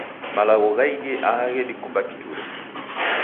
Malagho ghaidie aha ghedikumba kiture.